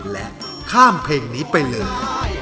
และข้ามเพลงนี้ไปเลย